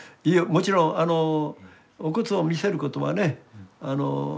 もちろんお骨を見せることはね